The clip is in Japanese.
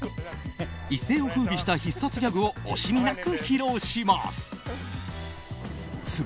一世を風靡した一発ギャグを惜しみなく披露します。